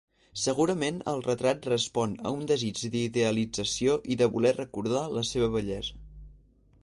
Segurament el retrat respon a un desig d'idealització i de voler recordar la seva bellesa.